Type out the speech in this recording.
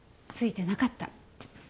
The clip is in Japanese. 付いてなかった。